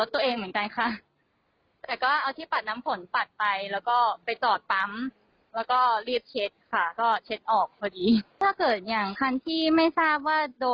ถ้าเกิดอย่างทั้งที่เป็นยังไม่ทราบว่าโด่